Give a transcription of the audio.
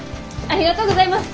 ありがとうございます。